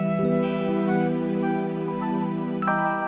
kamu juga sama